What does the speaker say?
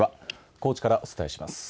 高知からお伝えします。